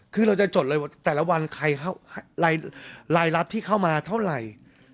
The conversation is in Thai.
คือเราจะจดแต่ละวันใครรายละได้รับที่เข้ามาเท่าไหร่